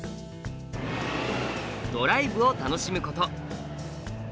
ドライブを楽しむこと。